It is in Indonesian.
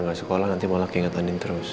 rena gak sekolah nanti mau lagi ngetanin terus